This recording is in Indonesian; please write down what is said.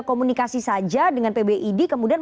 komunikasi saja dengan pbid kemudian